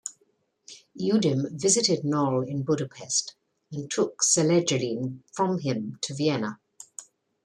Youdim, visited Knoll in Budapest and took selegiline from him to Vienna.